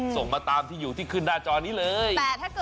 ส่งมาตามที่อยู่ที่ขึ้นหน้าจอนี้เลย